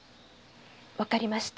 わかりました。